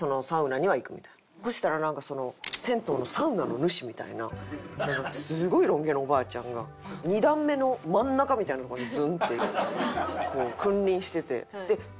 そしたらなんか銭湯のサウナの主みたいなすごいロン毛のおばあちゃんが２段目の真ん中みたいなとこにズンッて君臨してて。